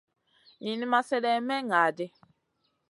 Niyn ma slèdeyn may ŋa ɗi.